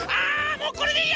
もうこれでいいや！